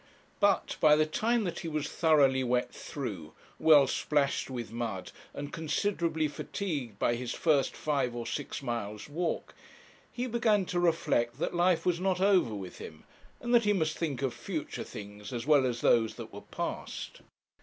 But by the time that he was thoroughly wet through, well splashed with mud, and considerably fatigued by his first five or six miles' walk, he began to reflect that life was not over with him, and that he must think of future things as well as those that were past.